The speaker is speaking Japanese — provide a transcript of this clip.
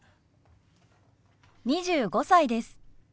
２５歳です。